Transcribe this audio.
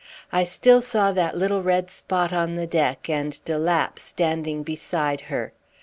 I still saw that little red spot on the deck, and de Lapp standing beside her.